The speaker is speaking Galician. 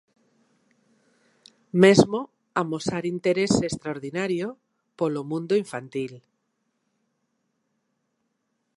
Mesmo amosar interese extraordinario polo mundo infantil.